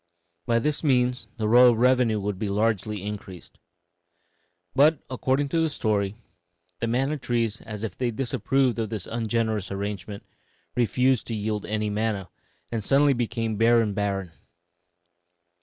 By this means the royal revenue would be largely increased. But, according to the story, the manna trees, as if they disapproved of this ungenerous arrangement, refused to yield any manna, and suddenly became bare and barren.